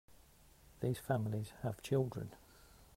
These families have children.